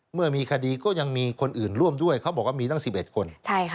เมื่อมีคดีก็ยังมีคนอื่นร่วมด้วยเขาบอกว่ามีตั้ง๑๑คน